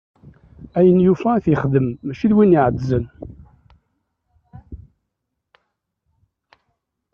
Ayen yufa ad t-yexdem, mačči d win iɛeddzen.